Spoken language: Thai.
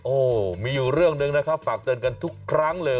โอ้โหมีอยู่เรื่องหนึ่งนะครับฝากเตือนกันทุกครั้งเลย